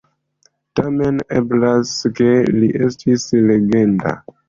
Tamen eblas ke li estis legenda.